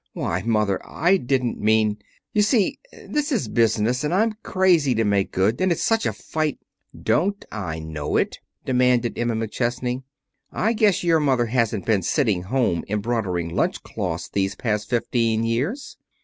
"Why Mother! I didn't mean You see this is business, and I'm crazy to make good, and it's such a fight " "Don't I know it?" demanded Emma McChesney. "I guess your mother hasn't been sitting home embroidering lunchcloths these last fifteen years."